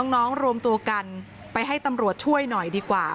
รวมตัวกันไปให้ตำรวจช่วยหน่อยดีกว่า